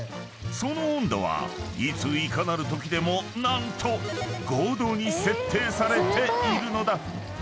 ［その温度はいついかなるときでも何と５℃に設定されているのだ］